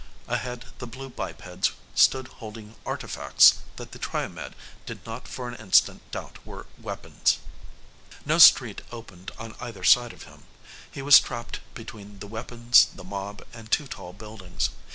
Ahead the blue bipeds stood holding artifacts that the Triomed did not for an instant doubt were weapons. No street opened on either side of him. He was trapped between the weapons, the mob, and two tall buildings.